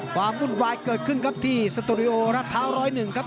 วุ่นวายเกิดขึ้นครับที่สตูดิโอรัดพร้าว๑๐๑ครับ